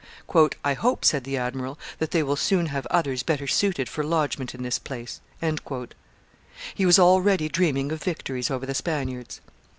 "I hope," said the admiral, "that they will soon have others better suited for lodgement in this place." He was already dreaming of victories over the Spaniards.